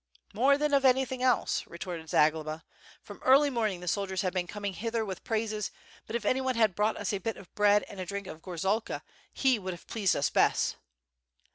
"More than of anything else, retorted Zagloba. 'Trom early morning the soldiers have been coming hither with praises, but if any one had brought us a bit of bread and a drink of gorzalka, he would have pleased us best.